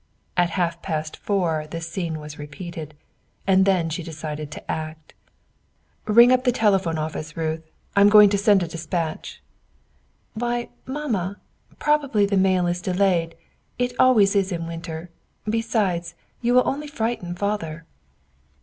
At half past four this scene was repeated, and then she decided to act. "Ring up the telegraph office, Ruth; I am going to send a despatch." "Why, Mamma, probably the mail is delayed; it always is in winter. Besides, you will only frighten Father."